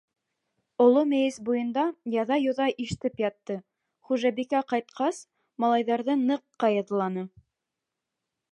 Оло мейес буйында яҙа-йоҙа ишетеп ятты: хужабикә ҡайтҡас, малайҙарҙы ныҡ ҡайыҙланы.